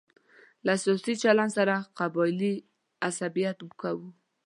له سیاسي چلن سره قبایلي عصبیت کوو.